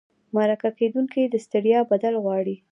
مرکه کېدونکي د ستړیا بدل غواړي.